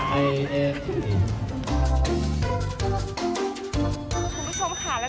สวัสดีครับคุณผู้ชมครับ